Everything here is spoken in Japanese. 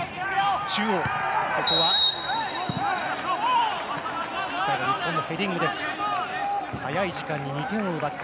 ここは日本のヘディングでした。